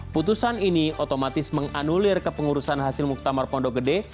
putusan ini otomatis menganulir kepengurusan hasil muktamar pondok gede